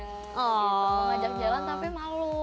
mau ajak jalan tapi malu